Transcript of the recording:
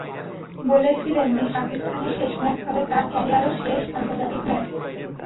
বলেছিলেন বিশ্বকাপে পাকিস্তানের শেষ ম্যাচ হবে তাঁর ক্যারিয়ারেরও শেষ আন্তর্জাতিক ম্যাচ।